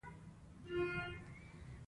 لاړو اډې ته چې یو ګاډیوان مو تر سترګو شو.